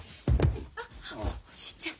あっおじいちゃん。